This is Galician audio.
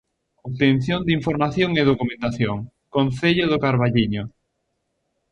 Obtención de información e documentación: Concello do Carballiño.